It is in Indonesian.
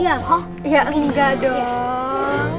ya enggak dong